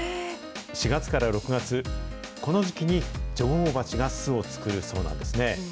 ４月から６月、この時期に女王蜂が巣を作るそうなんですね。